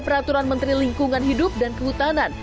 peraturan menteri lingkungan hidup dan kehutanan